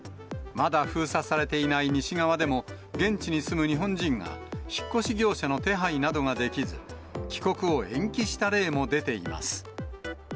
まだ封鎖されていない西側でも、現地に住む日本人が引っ越し業者の手配などができず、帰国を延期した例も出ています。